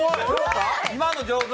今の上手。